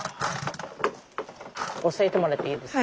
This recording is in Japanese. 押さえてもらっていいですか。